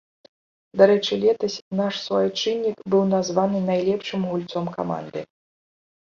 Дарэчы, летась наш суайчыннік быў названы найлепшым гульцом каманды.